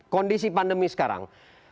kondisi pandemi sekarang